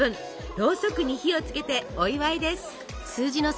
ろうそくに火をつけてお祝いです！